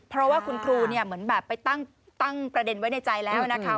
เพราะว่าคุณครูเนี่ยเหมือนแบบไปตั้งประเด็นไว้ในใจแล้วนะคะ